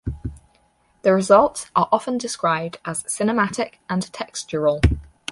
The results are often described as cinematic and textural.